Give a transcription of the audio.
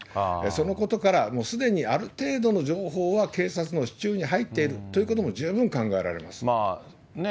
そのことから、もうすでにある程度の情報は、警察の手中に入っているということも十分考えられま